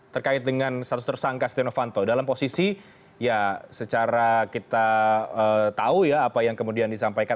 terkait dengan status tersangka setia novanto dalam posisi ya secara kita tahu ya apa yang kemudian disampaikan